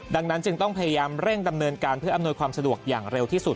ดังนั้นจึงต้องพยายามเร่งดำเนินการเพื่ออำนวยความสะดวกอย่างเร็วที่สุด